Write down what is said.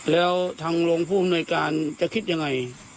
แล้วทางโรงผู้บริเวณการจะคิดอย่างไร